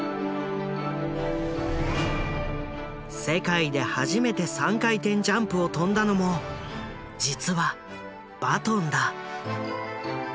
世界で初めて３回転ジャンプを跳んだのも実はバトンだ。